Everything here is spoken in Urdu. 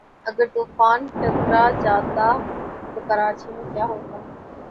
اگر طوفان ٹکرا جاتا تو کراچی میں کیا ہوتا